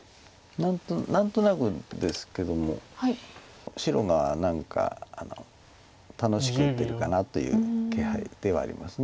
何となくですけども白が何か楽しく打ってるかなという気配ではあります。